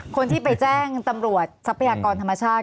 คนที่ไปแจ้งตำรวจทรัพยากรธรรมชาติ